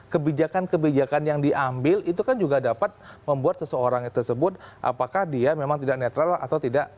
kebijakan kebijakan yang diambil itu kan juga dapat membuat seseorang tersebut apakah dia memang tidak netral atau tidak